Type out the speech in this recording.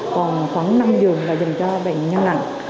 còn khoảng năm giường là dành cho bệnh nhân nặng